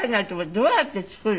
どうやって作る？